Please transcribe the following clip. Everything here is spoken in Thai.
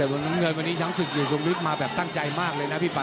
วันนี้ช้างศึกและกฏมฤทธิ์มาแบบตั้งใจมากเลยนะพี่ปะ